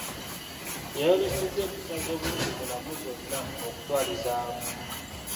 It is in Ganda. Yayolesezza empisa z'obuntubulamu zonna okutwaliza awamu.